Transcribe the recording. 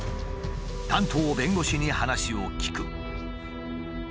担当弁護士に話を聞く。